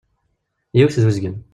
Yiwet d uzgen.